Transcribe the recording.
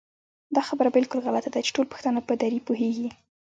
دا خبره بالکل غلطه ده چې ټول پښتانه په دري پوهېږي